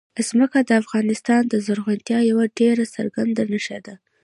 ځمکه د افغانستان د زرغونتیا یوه ډېره څرګنده نښه ده.